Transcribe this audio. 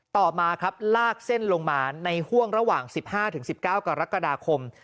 ต่อมาครับลากเส้นลงมาในห่วงระหว่าง๑๕๑๙กรกฎาคม